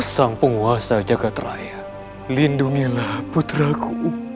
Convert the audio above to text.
sang penguasa jagad raya lindungilah putraku